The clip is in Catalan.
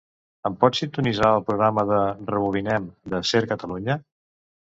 Ens pots sintonitzar el programa "Rebobinem" de "Ser Catalunya"?